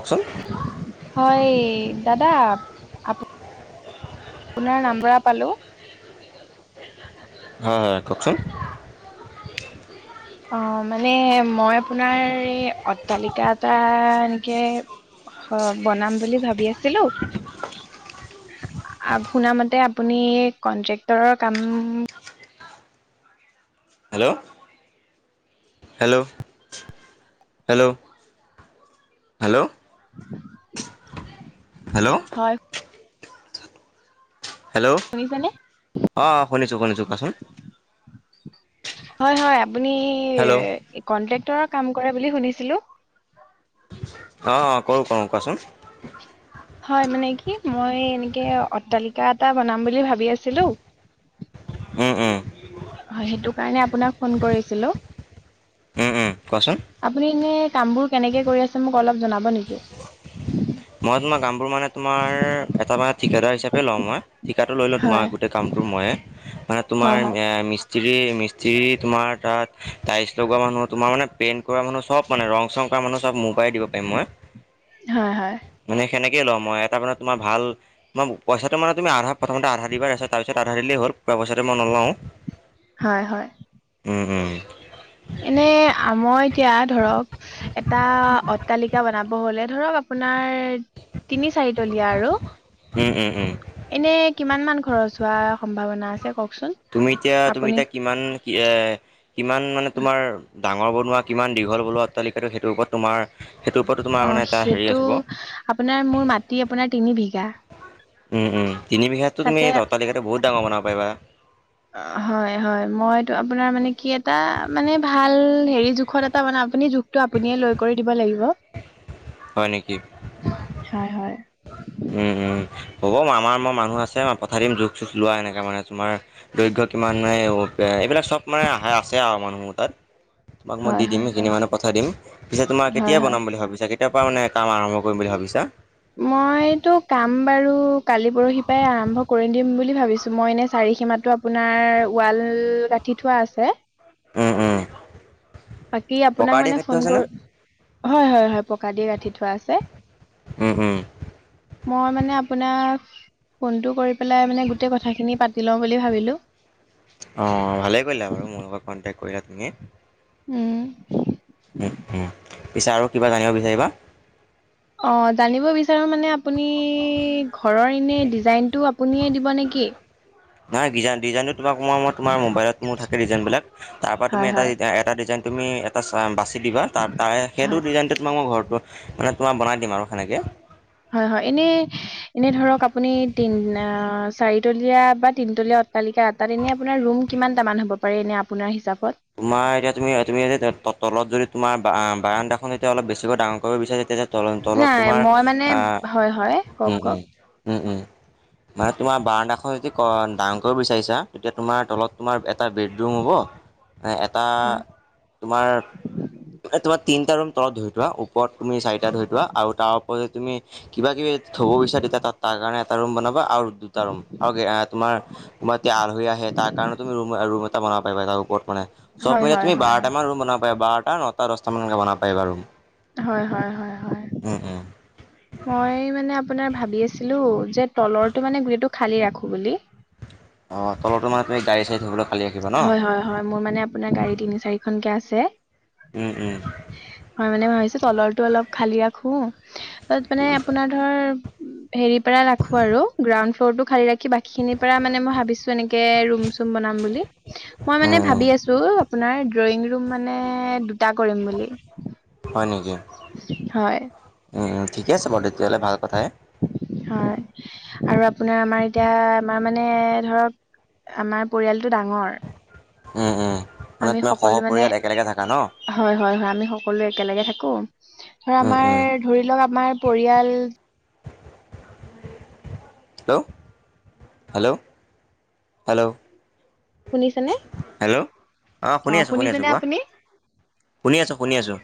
কওকচোন হয় দাদা আপ আপোনাৰ নাম বৰা পালো। হয় কওকচোন। অ', মানে মই আপোনাৰ এই অট্টালিকা এটা এনেকে। অ', বনাম বুলি ভাবি আছিলোঁ। শুনা মতে আপুনি কন্ট্ৰেক্টৰৰ কাম। Hello. Hello hello hello. [inaudible] Hello. হয়। হেল্ল' শুনিছেনে অ', শুনিছোঁ শুনিছোঁ কোৱাচোন? হয়, হয় আপুনি হেল্ল' কন্ট্ৰেক্টৰৰ কাম কৰে বুলি শুনিছিলোঁ। অ', কৰো, কৰো কোৱাচোন? হয়, মানে কি মই এনেকে অট্টালিকা এটা বনাম বুলি ভাবি আছিলোঁ। উম, উম। হয়, সেইটো কাৰণে আপোনাক ফোন কৰিছিলোঁ। অহ, কোৱাচোন। আপুনি এনে কামবোৰ কেনেকে কৰি আছে মোক অলপ জনাব নেকি? মই তোমাৰ কামবোৰ মানে তোমাৰ এটা মানে ঠিকাদাৰ হিচাপে লওঁ মই। ঠিকাটো লৈ লওঁ হয় তোমাৰ গোটেই কামটো ময়ে মানে হয় তোমাৰ হয় মি মি্ত্ৰী মি্ত্ৰী তোমাৰ তাত টাইলছ লগোৱা মানুহ তোমাৰ মানে পেইণ্ট কৰা মানুহ সব মানে ৰং চং কৰা মানুহ চব মোৰ পৰাই দিব পাৰিম মই। হয় হয়। মানে সেনেকেই লওঁ মই এটা মানে তোমাৰ ভাল মই পইচাটো মানে তুমি আধা প্ৰথমতে আধা দিবাছা তাৰপিছত আধা দিলেই হ'ল বা পইচাটো মই নলওঁ। হয় হয়। উম, উম। এনে আ, মই এতিয়া ধৰক এটা অট্টালিকা বনাব হলে ধৰক আপোনাৰ তিনি চাৰিতলীয়া আৰু। উম উম উম এনেই কিমান মান খৰচ হোৱাৰ সম্ভাৱনা আছে কওঁকচোন। তুমি এতিয়া, তুমি এতিয়া কিমান কি এ, কিমান মানে তোমাৰ ডাঙৰ বনোৱা কিমান দীঘল বলোৱা অট্টালিকাটো ওপৰত তোমাৰ সেটোৰ ওপৰতো অ তোমাৰ মানে এটা হেৰি সেইটো আহিব। আপোনাৰ মোৰ মাটি আপোনাৰ তিনি বিঘ উম, উম, তিন বিঘাততো তুমি তাতে অট্টালিকাটো বহুত ডাঙৰ বনাব পাৰিবা। অ' হয় হয় মইতো আপোনাৰ মানে কি এটা মানে ভাল হেৰি জোখত তাৰ মানে আপুনি জোখটো আপুনিয়ে লৈ কৰি দিব লাগিব। হয় নেকি। হয় হয়। হুম, হুম, হ'ব মই আমাৰ মই মানুহ আছে মই পঠাই দিম জোখ চোখ লোৱা এনেকৈ মানে তোমাৰ দৈৰ্ঘ্য কিমান নাই এইবিলাক চব মানে আহে আছে আৰু মানুহৰ তাত তোমাক মই হয় দি দিম হয় সেইখিনি হয় মানে পঠাই দিম পিছে তোমাৰ হয় কেতিয়া হয় বনাম বুলি ভাবিছে কেতিয়াৰ পৰা মানে কাম আৰম্ভ কৰিম বুলি ভাবিছা? মইতো কাম বাৰু কালি পৰহি পৰাাই আৰম্ভ কৰি দিম বুলি ভাবিছো মই এনে চাৰিসীমাত টো আপোনাৰ ৱাল গাঠি থোৱা আছে। উম উম। বাকী আপোনাক পকাৰ দিয়া মানে খেতিটো ফোন আছেনে কৰো হয়। হয়। হয়। পকা দিয়ে গাঠি থোৱা আছে। উম উম মই মানে আপোনাক ফোনটো কৰি পেলাই মানে গোটেই কথাখিনি পাতি লওঁ বুলি ভাবিলোঁ। অ' ভালে কৰিলা বাৰু মোৰ লগত কণ্টেক কৰিলা তুমি। উম। উম উম পিছে আৰু কিবা জানিব বিচাৰিবা? অ' জানিব বিচাৰ ছাৰ মানে আপুনি ঘৰৰ এনেই ডিজাইনটো আপুনিয়ে দিব নেকি? নাই ডিজাইন ডিজাইনতো তোমাক মই মই তোমাৰ মোবাইলত মোৰ থাকে ডিজাইন বিলাক তাৰ পৰা হয় তুমি এটা হয় এটা ডিজাইন তুমি এটা চা বাচি দিবা তাৰে হয় সেইটো ডিজাইনটোত তোমাক মই ঘৰটো মানে তোমাৰ বনাই দিম আৰু সেনেকে। হয়, হয়, এনেই এনেই ধৰক আপুনি তিন চাৰিতলীয়া বা তিনতলীয়া কালিকা এটাত এনে আপোনাৰ ৰুম কিমান তামান হ'ব পাৰে এনে আপোনাৰ হিচাপত? তোমাৰ এতিয়া তুমি তুমি তলত যদি তোমাৰ বাৰান্দাখন এতিয়া অলপ বেছিকৈ ডাঙৰ কৰিব বিচাৰা তেতিয়া তল তলত নাই তোমাৰ মই মানে আহ, হয় হয় কওক উম উম। কওক উম উম। মানে তোমাৰ বাৰান্দাখন যদি ডাঙৰ কৰিব বিচাৰিছা তেতিয়া তোমাৰ তলত তোমাৰ এটা বেডৰুম হ'ব এটা হয় তোমাৰ তোমাৰ তিনিটা ৰুম তলত ধৰি থোৱা ওপৰত তুমি চাৰিটা ধৰি থোৱা আৰু তাৰ যদি তুমি কিবা কিবি থ'ব বিচাৰা তেতিয়া তাত তাৰ কাৰণে এটা ৰুম বনাবা। আৰু দুটা ৰুম আৰু তোমাৰ তোমাৰ এতি আল হৈ আহে তাৰ কাৰণে তুমি টা বনাব পা তাৰ ওপৰত মানেব হয় মানে হয় তুমি হয় হয়। বাৰটা মান ৰু বাব পা বাৰটা ন টা দহটামানকৈ বনাব পায় বাৰু হয় হয় হয় মই মানে আপোনাৰ ভাবি আছিলো যে তলৰটো মানে গুৰিটো খালি ৰাখো বুলি অ তলৰ মানে তম গড়ী চাই থবলৈ হয় হয় হয় মোৰ মানে আপোনাৰ গাড়ী তিনি চাৰিখনকে আছে উম উম হয় মানে ভাবিছো তলৰ টো অলপ খালি ৰাখো তাত মানে আপোনাৰ হেৰি পৰা ৰাখো আৰু গ্ৰাউণ্ড ফ্ল'ৰ টো খালি ৰাখি বাকী খিনিৰ পৰা মানে মই ভাবিছো এনেকে ৰুম চুম বনাম বুলি মই মানে ভাবি উম আছো আপোনাৰ ড্ৰয়িং ৰুম মানে দুটা কৰিম বুলি হয় নেকি হয় ঠিকে আছে বাৰু তেতিয়াহ'লে ভাল কথাহে হয় আৰু আপোনাৰ আমাৰ এতিয়া আমাৰ মানে ধৰক আমাৰ পৰিয়ালটো ডাঙৰ মানে আমি তোমাৰ সহ সকলো মানে পৰিয়াল একেলগে থাককা ন হয় হয় হয় আমি সকলো একেলগে থাকো ধ উম আমাৰ উম ধৰি লওক আমাৰ পৰিয়াল হেল্ল' হেল্ল' হেল্ল' শুনিছে নে হেল্ল' অঁ শুনি আছোঁ শুনি আছোঁ কোৱা আপুনি? শুনি আছোঁ শুনি আছোঁ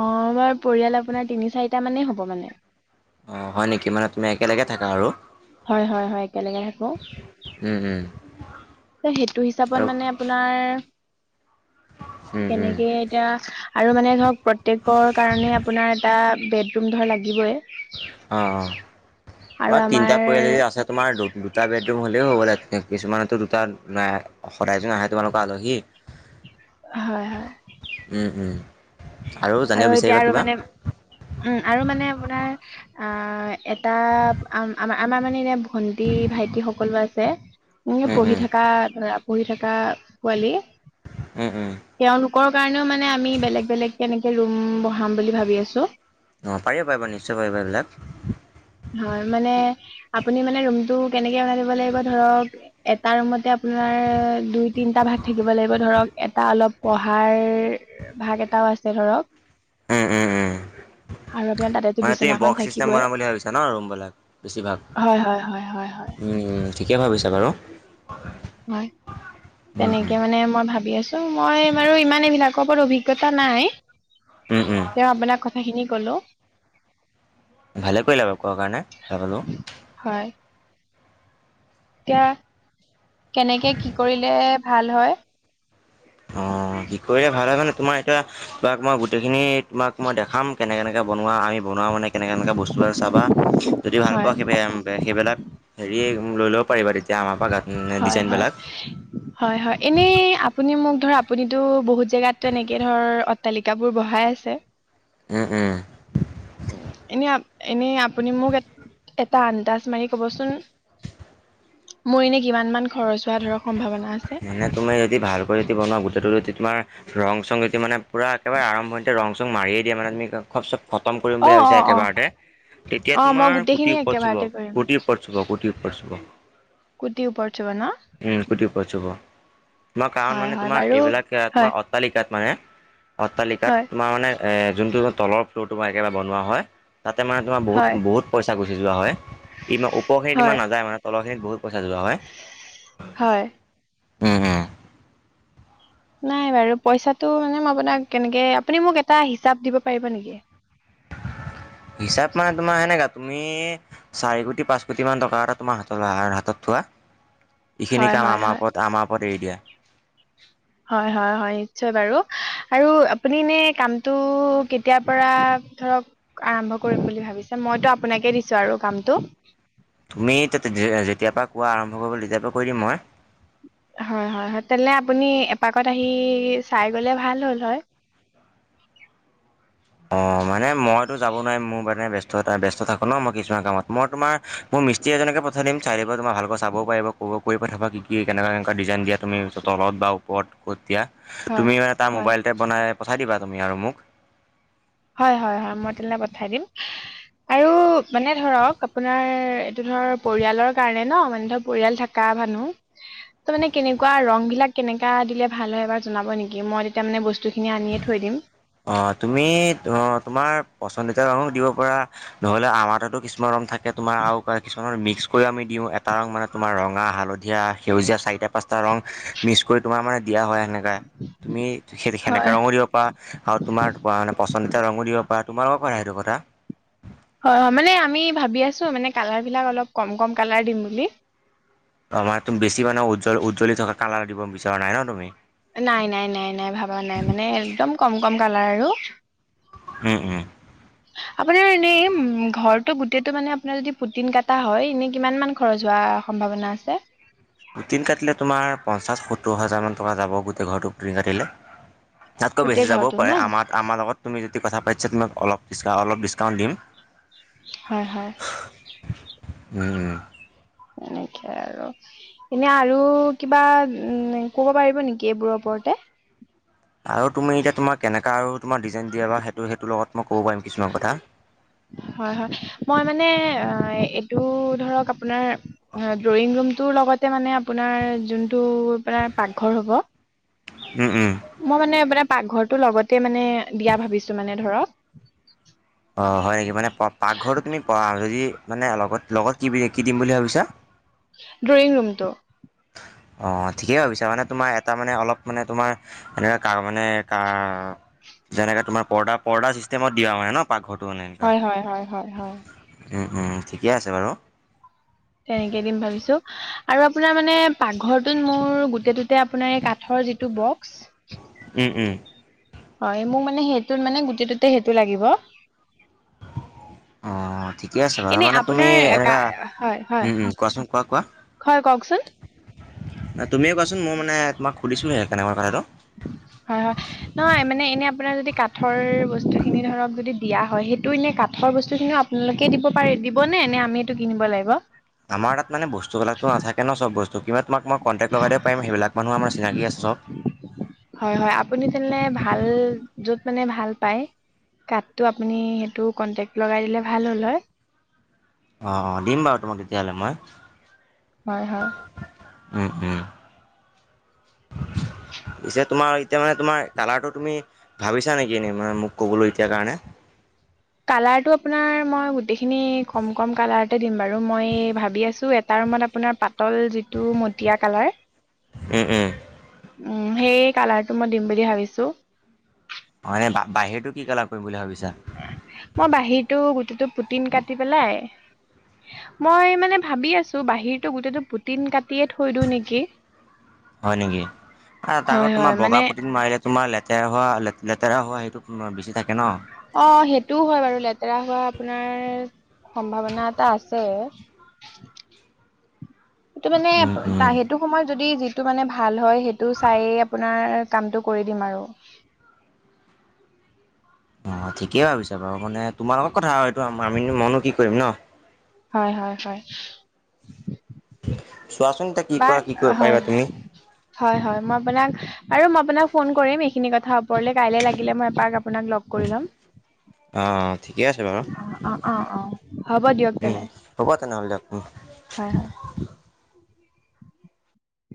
অ আমাৰ পৰিয়াল আপোনাৰ তিনি চাৰিটা মানেই হ'ব মানে অঁ হয় নেকি মানে তুমি একেলগে থাকা আৰু হয় হয় হয় একেলগে থাকো। উম উম সেইটো হিচাপত আৰু মানে আপোনাৰ কেনেকে এতিয়া আৰু মানে ধৰক প্ৰত্যেকৰ কাৰণে আপোনাৰ এটা বেডৰুম ধৰ লাগিবই অ অ বা আৰু আমাৰ তিনিটা পৰিয়াল যদি আছে তোমাৰ দু দুটা বেডৰুম হ'লেও হ'বলে কিছুমানতো দুটা সদায়জন আহে তোমালোকৰ আলহী হয় হয় আৰু জানিব এতিয়া বিচাৰিবা আৰু কিবা মানে উম আৰু মানে আপোনাৰ আহ এটা আমাৰ আমাৰ মানে এনে ভন্টি ভাইটি সকলো আছে এে পঢ়ি থকা ধৰা পঢ়ি থকা পোৱালী উম উম তেওঁলোকৰ কাৰণেও মানে আমি বেলেগ বেলেগ কেে এনেকে ৰুম বঢ়াম বুলি ভাবি আছো ন পাৰিব পাৰিবা নিশ্চয় পাৰিবা এইবিলাক হয় মানে আপুনি মানে ৰুমটো কেনেকৈ বনাই দিব লাগিব ধৰক এটা ৰুমতে আপোনাৰ দুই তিনটা ভাগ থাকিব লাগিব ধৰক এটা অলপ প়াৰ ভাগ এটাও আছে ধৰক আৰু আপোনাৰ তাতে মান তুম বক্স চিষ্টেম বনাম বুলি ভাবিছ ন ৰুমবিলাক বেছি ভাগ হয় হয় হয় হয় হয় ঠিকে ভাবিছে বাৰু হয় উম উম তেনেকে মানে মই ভাবি আছো মই বাৰু ইমান এইবিলাকৰ ওপৰত অভিজ্ঞতা নাই উম উম তেওঁ আপোনাক কথাখিনি কলো ভালে কৰিলা বু ক' কাৰণে ভালালোঁ হয় এতিয়া কেনেকে কি কৰিলে ভাল হয় অ, কি কৰিলে ভাল হয় নানে তোমাৰ এতিয়া তোমাক মই গোটেইখিনি তোমাক মই দেখাম কেনে কেনেক বনোৱা আমি বনোৱা মানে কেনেকে এনেককা বস্তুব চাবা যদি ভাল হয় পোৱা [inaudible] সেইবিলাক হেৰি লৈ ল'ব পাৰিব তেতিয়া আমাৰ পৰা গত হয়, হয়। হয় হয় এনেই আপুনি মোক ধৰ আপুনিতো বহুত জেগাতো এনেকৈ ধৰ অট্টালিকাবোৰ বঢ়াই আছে। [unintelligible] উম, উম। এনে, এনে আপুনি মোক এটা আন্দাজ মাৰি কবচোন মোৰ এনে কিমান মান খৰচ হোৱা ধৰক সম্ভাৱনা আছে মানে তুমি যদি ভালকৈ বনোৱা গোটেইটো তোমাৰ ৰং চং যতিয়া মানে পূৰা একেবাৰে আৰম্ভতে ৰং চং মাৰিয়ে দিয়া মানে তুমি খব চব খতম কৰিম অ বুলি ভাবিছ অ অ একেবাৰতে তেতিয়া অ মই তোমাৰ গোটেইখিনি কোটিৰ ওপৰত চুব একেবাৰতে কৰিম কোটি উপ চুব কোটিওপৰত চুব। কুটিৰ ওপৰত চুব ন? উম, কুটি ও চব তোমাৰ কাৰণ হয় মানে হয় তোমাৰ বাৰু এইবিলাক হয় তোমাৰ অট্টালিকাত মানে অট্টালিকাত হয় তোমাৰ মানে, যোনটো তলৰ ফ্ল'ৰ তোমাৰ একেবাৰে বনোৱা হয় তাতে মানে তোমাৰ হয় বহুত বহুত পইচা গুচি যোৱা হয় ইমান ওপৰখিনিত হয় ইমান নাযায় মানে তলৰখিনিত বহুত পইচা যোৱা হয়। হয়। নাই বাৰু পইচাটো মানে আপোনাক কেনেকে আপুনি মোক এটা হিচাপ দিব পাৰিব নেকি? [unintelligible] হিচাপ মানে তোমাৰ এনেকা তুমি চাৰি কোটি পাঁচ কোটি মান টকা এটা তোমাৰ হাতলে [inaudible] হাতত থোৱা, [unintelligible] এইখিনি কাম আমাৰ ওপৰত আমাৰ ওপৰত এৰি দিয়া। হয়-হয়-হয়, নিশ্চয় বাৰু আৰু আপুনি নে কামটো এতিয়াৰ পৰা ধৰক আৰম্ভ কৰিম বুলি ভাবিছে মইতো আপোনাকে দিছোঁ আৰু কামটো। তুমি যেতিয়াৰ পৰা কোৱা আৰম্ভ কৰিব তেতিয়াৰ পৰা ক কৰি দিম মই। হয়, হয়, হয়, তেনে আপুনি এপাকত আহি চাই গ'লে ভাল হ'ল হয়। অ, মানে মইতো যাব নোৱাৰি মোৰ মানে ব্যস্ততা ব্যস্ত থাকো ন মই কিছুমান কামত মই তোমাৰ মোৰ মস্ত্ৰী এজনকে পঠাই দিম, চাই থাকিবা তোম ভালৈ চাব পিব ক কৰি পঠাবা কি কি কেনেুৱা কেনেুৱ ডিজাই দিয়া তুমি তল বা ওপৰত, ক'ত দিয়া হয় তুমি মানে তাৰ হয় মোবাইল এপ বনাই পঠাই দিবা তুমি আৰু মোক। হয়, হয়, হয়, মই তেনেহলে পঠাই দিম। আৰু মানে ধৰক আপোনাৰ এইটো ধৰ পৰিয়ালৰ কাৰণে ন মানে ধৰ পৰিয়াল থকা মানুহ, ত' মানে কেনেকুৱা ৰং বিলাক কেনেকা দিলে ভাল হয় এবাৰ জনাব নেকি? মই তেতিয়া মানে বস্তু খিনি আনিয়ে থৈ দিম। অ, তুমি তোমাৰ পচন্দিতাৰ মানুহ দিব পৰা, নহলে আমাৰতেতো কিছমান ৰম থাকে তোমাৰ আৰু কিছুমান মিক্স কৰি আমি দিওঁ এটা ৰং মানে তোমাৰ ৰঙা হালধীয়া সেউজীয়া চাৰিটা পাঁচটা ৰং, মিছ কৰি তোমাৰ মানে দিয়া হয় সেনেকা তুমি সেনেকা হয় কৰিব পা আৰু তোমাৰ মানে পচন্দিতা ৰঙো দিব পাৰা তোমাৰ লগৰ পাৰ সেইটো কথা। হয়, হয়, মানে আমি ভাবি আছো মানে কালাৰ বিিলাক অলপ কম কম কালাৰ দিম বুলি। অমাৰ তুম বেছি মানে উজল-উজ্বলি থকা কালাৰ দিব বিচৰা নাই ন তুমি? নাই নাই নাই নাই ভবা নাই মানে একদম কম কম কালাৰ আৰু, উম, উম। হয়। আপোনাৰ এনেই উম ঘৰটো গোটেইটো মানে আপোনাৰ যদি পুটিন কটা হয় এনে কিমান মান খৰচ হোৱা সম্ভাৱনা আছে? পুটিন কাটিলে তোমাৰ পঞ্চাছ সত্তৰ হাজাৰ মান টকা যাব গোটেই ঘৰটো পুটিন কাটিলে। তাতকৈ গোটেই বেছি যাবও ঘৰটো ন পাৰে আমাৰ-আমাৰ লগত তুমি যদি কথা পাতিছা তমাক অলপ অলপ ডিচ-ডিচকাউণ্ট দিম। হয় হয় উম উম এনেকে আৰু এনে আৰু কিবা উ ক'ব পাৰিব নেকি এইবোৰৰ ওপৰতে আৰু তুমি এতিয়া তোমাক কেনেকা আৰু তোমাৰ ডিজাইন দিয়া বা সেইটো সেইটো লগত মই ক'ব পাৰিম কিছুমান কথা হয় হয় মই মানে এইটো ধৰক আপোনাৰ ড্ৰয়িং ৰুমটোৰ লগতে মানে আপোনাৰ যোনটো আোনাৰ পাকঘৰ হ'ব হয় উম উম মই মানে আপাৰ পাকঘৰটো লগতে মানে বিয়া ভাবিছো মানে ধৰক অঁ হয় নেকি মানে প পাকঘৰটো তুমি প যদি মানে লগত লগত কি বুলি কি দিম বুলি ভাবিছা ড্ৰইং ৰুমটো অ ঠিকেই ভাবিছা মানে তোমাৰ এটা মানে অলপ মানে তোমাৰ এনে তাৰমানে যেনেকে তোমাৰ পৰ্দা পৰ্দা চিষ্টেমত দিয়া হয় ন পাকঘৰটো মানে এনেকা। হয় হয় হয় হয় হয় উম উম ঠিকে আছে বাৰু তেনেকেই দিম ভাবিছোঁ আৰু আপোনাৰ মানে পাকঘৰটোত মোৰ গোট ততে আপোনাৰ এই কাঠৰ যিটো বক্স উম উম হয় মোক মানে সেইটোত মানে গোটেই ততে সেইটো লাগিব অঁ ঠিকে আছে বাৰু এনে মানে তুমি আপোনাৰ কা এনেকুৱা হয় হয় কোৱাচোন কোৱা কোৱা হয় কওকচোন নাই তুমিয়ে কোৱাচোন মই মানে তোমাক খুদিছোহে কেনেকৰ কথাটো হয় হয় নহয় মানে এনে আপোনাৰ যদি কাঠৰ বস্তু খিনি ধৰক যদি দিয়া হয় সেইটো এনে কাঠৰ বস্তু খিনিও আপোনালোকে দিব পাৰে দিব নে নে আমিটো কিনিব লাগিব আমাৰ তাত মানে বস্তুবিলাকটো নাথাকে ন চব বস্তু কিবা তোমাক মই কণ্টেক লগাই দিব পাৰিম সেইবাক মানুহ আম চিনাক আছে চব হয় হয় আপুনি তেনে ভাল যত মানে ভাল পায় কাঠটো আপুনি সেইটো কণ্টেক্ট লগাই দিলে ভাল হ'ল হয় অ অ দিম বাৰু তোমাক তেতিয়াহলে মই হয় হয় উম উম পিছে তোমাৰ এতিয়া মানে তোমাৰ কালাৰটো তুমি ভাবিছা নেকি এনেই মানে মোক ক'বলৈ এতিয়া কাৰণে কালাৰটো আপোনাৰ মই গোটেইখিনি কম কম কালাৰতে দিম বাৰু মই ভাবি আছো তাৰ ৰুমত আপোনাৰ পাতল যিটো মটীয়া কালাৰ উম উম উ সেই কালাৰটো মই দিম বুলি ভাবিছো অ এনে বাহিৰতো কি কালাৰ কৰিম বুলি ভাবিছা মই বাহিৰটো গুটেটো পুটিন কাটি পেলাই মই মানে ভাবি আছো বাহিৰটো গোটইটো পুটিন কাটিয়ে থৈ দিওঁ নেকি হয় নেকি ত হয় আত হয় তোমাৰ মানে বগা পুটিন মাৰিলে তোমাৰ লেতেৰা হোৱা লেতেৰা হোৱা সেইটো বেছি থাকে ন অ সেইটোও হয় বাৰু লেতেৰা হোৱা আপোনাৰ সম্ভাৱনা এটা আছে সেইটো মানে উম উম। সেইটো সময়ত যদি যিটো মানে ভাল হয় সেইটো চাই আপোনাৰ কামটো কৰি দিম আৰু অ ঠিকেই ভাবিছা বাৰু মানে তোমাৰ লগত কথা এইটো আম মনো কি কৰিম ন হয় হয় হয় চোৱাচোন এয়া কি বাৰ কৰা কি হয় পাৰিবা তুমি হয় হয় মই আপোনাক আৰু মই আপোনাক ফোন কৰিম এইখিন কথা ওপৰলে কাইলৈ লাগিলে ম কৰিলম অ ঠিকে আছে বাৰু অ অ অ হ'ব দিয়ক উম তেনে হ'ব তেনেহ'লে দিয়ক হয় হয়